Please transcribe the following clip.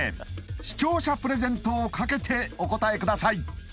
視聴者プレゼントをかけてお答えください